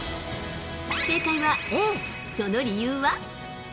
正解はＡ、その理由は。